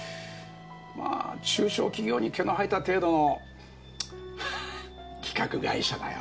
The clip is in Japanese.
まあ中小企業に毛の生えた程度のハハッ企画会社だよ。